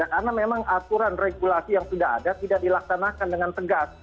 karena memang aturan regulasi yang sudah ada tidak dilaksanakan dengan tegas